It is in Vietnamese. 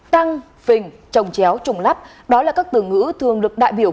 tăng phình trồng chéo trùng lắp đó là các từ ngữ thường được đại biểu